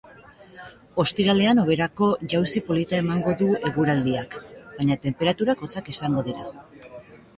Ostiralean hoberako jauzi polita emango du eguraldiak, baina tenperaturak hotzak izango dira.